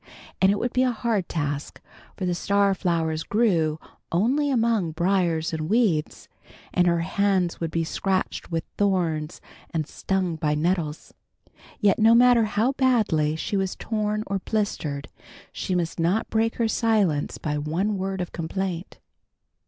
And it would be a hard task, for the star flowers grew only among briars and weeds, and her hands would be scratched with thorns and stung by nettles. Yet no matter how badly she was torn or blistered she must not break her silence by one word of complaint.